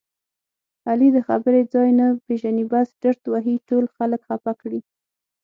علي د خبرې ځای نه پېژني بس ډرت وهي ټول خلک خپه کړي.